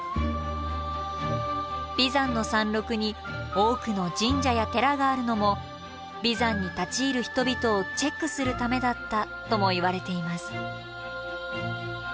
眉山の山麓に多くの神社や寺があるのも眉山に立ち入る人々をチェックするためだったともいわれています。